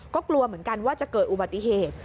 ก็กลัวเหมือนกันว่าจะเกิดอุบัติเหตุ